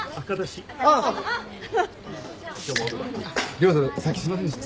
亮さんさっきすいませんでした。